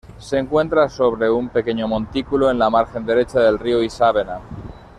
Se encuentra sobre un pequeño montículo en la margen derecha del río Isábena.